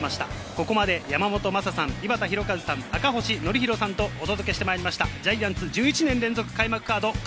ここまで山本昌さん、井端弘和さん、赤星憲広さんとお届けしてまいりました。